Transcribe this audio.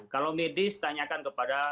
kalau medis tanyakan kepada